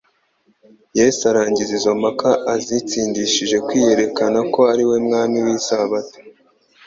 Yesu arangiza izo mpaka azitsindishije kwiyerekana ko ari we Mwami w'isabato,